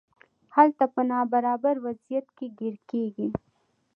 هلته په نابرابر وضعیت کې ګیر کیږي.